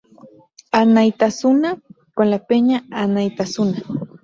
Anaitasuna con la Peña Anaitasuna.